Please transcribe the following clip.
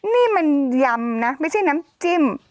นี่มันยำนะไม่ใช่น้ำจิ้ม